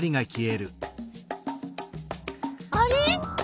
あれ？